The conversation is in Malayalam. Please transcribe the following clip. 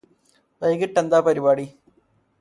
വൈകിട്ടെന്താ പരിപാടി